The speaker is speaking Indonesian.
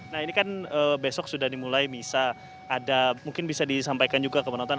nah ini kan besok sudah dimulai misa ada mungkin bisa disampaikan juga ke penonton